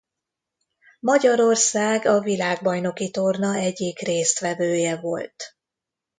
Magyarország a világbajnoki torna egyik résztvevője volt.